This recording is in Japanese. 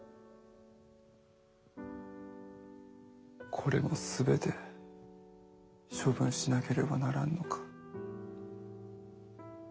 これも全て処分しなければならぬのか。